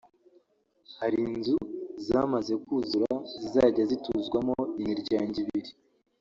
Hari inzu zamaze kuzura zizajya zituzwamo imiryango ibiri